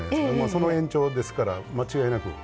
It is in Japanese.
その延長ですから間違いなく。